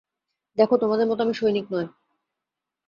দেখ, তোমাদের মত আমি সৈনিক নই।